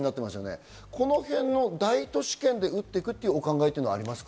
この辺の大都市圏で打っていくという考えはありますか？